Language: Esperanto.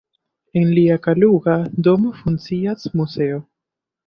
En lia Kaluga domo funkcias muzeo.